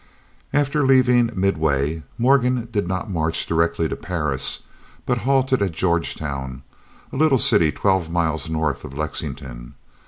After leaving Midway, Morgan did not march directly to Paris, but halted at Georgetown, a little city twelve miles north of Lexington.